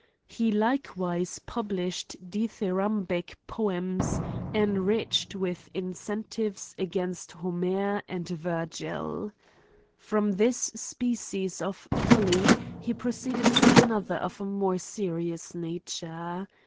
He like wise published dithyrambic poems, enriched with invectiveis against Homerand Virgil. From this species of folly he proceeded to another of a more serious nature.